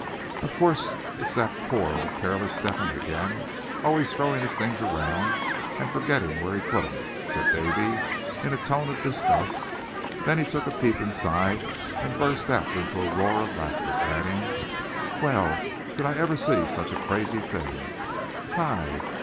"Of course it's that poor old careless Step hen again, always throwing his things around, and forgetting where he put 'em," said Davy, in a tone of disgust; then he took a peep inside, and burst out into a roar of laughter, adding: "Well, did I ever see such a crazy thing? Hi!